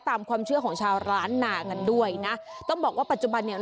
ตามความเชื่อของชาวร้านหนากันด้วยนะต้องบอกว่าปัจจุบันเนี่ย